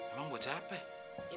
emang buat siapa